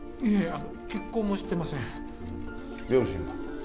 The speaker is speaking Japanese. あの結婚もしてません両親は？